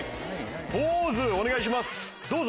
ポーズお願いしますどうぞ！